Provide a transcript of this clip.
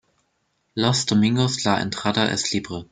Los domingos la entrada es libre.